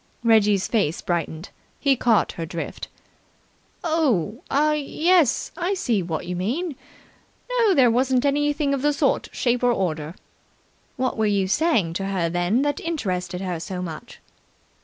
Reggie's face brightened. He caught her drift. "Oh, ah, yes, I see what you mean. No, there wasn't anything of that sort or shape or order." "What were you saying to her, then, that interested her so much?"